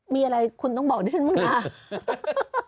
มีอะไรคุณต้องบอกดิฉันบ้างนะ